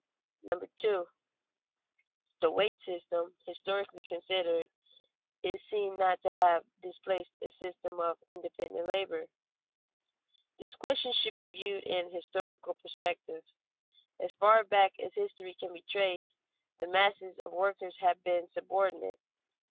[Sidenote: Workers subordinate in early societies] 2. The wage system, historically considered, is seen not to have displaced a system of independent labor. This question should be viewed in historical perspective. As far back as history can be traced, the masses of workers have been subordinate.